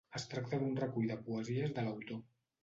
Es tracta d'un recull de poesies de l'autor.